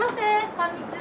こんにちは。